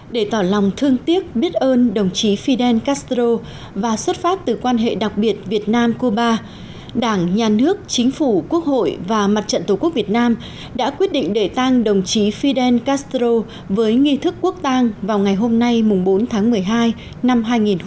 để tỏ lòng thương tiếc biết ơn đồng chí fidel castro và xuất phát từ quan hệ đặc biệt việt nam cuba đảng nhà nước chính phủ quốc hội và mặt trận tổ quốc việt nam đã quyết định để tang đồng chí fidel castro với nghi thức quốc tang vào ngày hôm nay bốn tháng một mươi hai năm hai nghìn một mươi tám